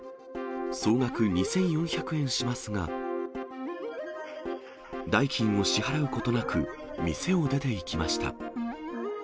総額２４００円しますが、代金を支払うことなく、店を出ていきました。